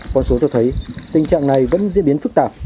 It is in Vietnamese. con số cho thấy tình trạng này vẫn diễn biến phức tạp